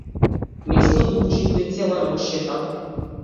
Место да учи тој цела ноќ шета.